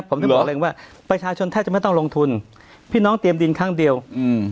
ผมถึงบอกเลยว่าประชาชนแทบจะไม่ต้องลงทุนพี่น้องเตรียมดินครั้งเดียวอืม